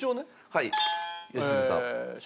はい良純さん。